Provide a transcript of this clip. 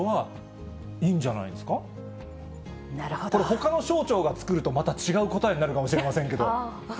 ほかの省庁が作ると、また違う答えになるかもしれませんけども。